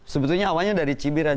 sebetulnya awalnya dari cibiran